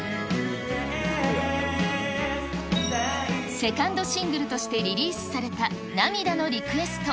セカンドシングルとしてリリースされた涙のリクエスト。